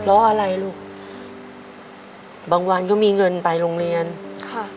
เพราะอะไรลูกบางวันก็มีเงินไปโรงเรียนค่ะ